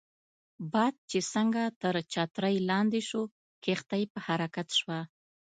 باد چې څنګه تر چترۍ لاندې شو، کښتۍ په حرکت شوه.